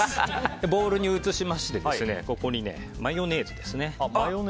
ボウルに移しましてここにマヨネーズです。